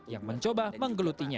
yang mencoba menggelutinya